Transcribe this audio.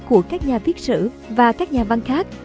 của các nhà viết sử và các nhà văn khác